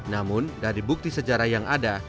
namun dari bukti sejarah yang ada